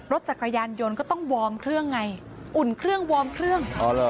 รถจักรยานยนต์ก็ต้องวอร์มเครื่องไงอุ่นเครื่องวอร์มเครื่อง